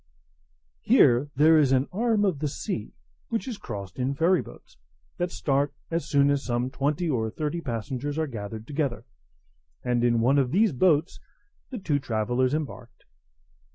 Here there is an arm of the sea, which is crossed in ferry boats, that start as soon as some twenty or thirty passengers are gathered together; and in one of these boats the two travellers embarked.